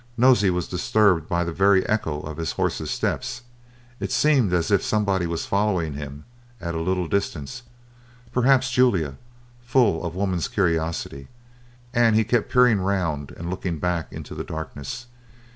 Nosey was disturbed by the very echo of his horse's steps; it seemed as if somebody was following him at a little distance; perhaps Julia, full of woman's curiosity; and he kept peering round and looking back into the darkness.